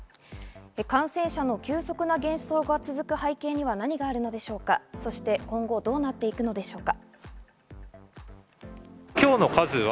感染者の急速な減少が続く背景には何があるのか、そして今後どうなっていくのでしょうか。